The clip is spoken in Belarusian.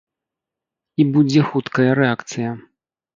І будзе хуткая рэакцыя.